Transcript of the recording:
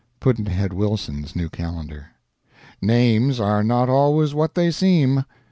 Pudd'nhead Wilson's New Calendar. Names are not always what they seem.